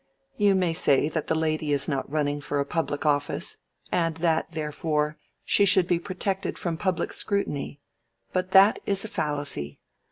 You may say that the lady is not running for a public office, and that, therefore, she should be protected from public scrutiny, but that is a fallacy.